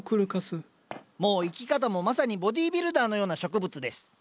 もう生き方もまさにボディービルダーのような植物です。